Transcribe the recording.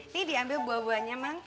ini diambil buah buahnya mang